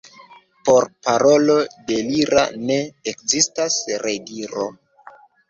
Por parolo delira ne ekzistas rediro.